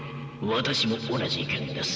私も同じ意見です。